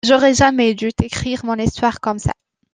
J’aurais jamais dû t’écrire mon histoire comme ça.